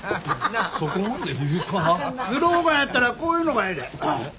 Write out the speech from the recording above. スローガンやったらこういうのがええで。